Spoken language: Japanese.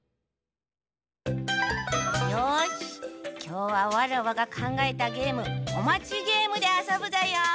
よしきょうはわらわがかんがえたゲーム「こまちゲーム」であそぶぞよ。